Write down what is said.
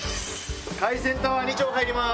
海鮮タワー２丁入ります。